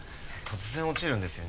突然落ちるんですよ